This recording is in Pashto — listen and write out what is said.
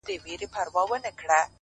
• هم له خپلو هم پردیو را جلا وه ,